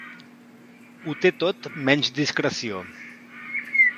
Ho té tot menys discreció.